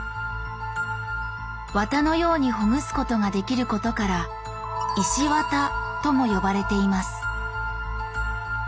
綿のようにほぐすことができることから「石綿」とも呼ばれています